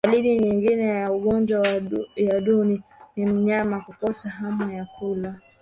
Dalili nyingine ya ugonjwa wa ndui ni mnyama kukosa hamu ya kula